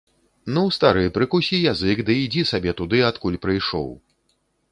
Ну, стары, прыкусі язык ды ідзі сабе туды, адкуль прыйшоў.